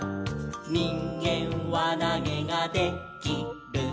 「にんげんわなげがで・き・る」